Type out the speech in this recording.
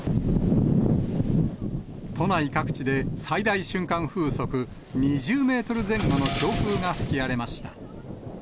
都内各地で最大瞬間風速２０メートル前後の強風が吹き荒れました。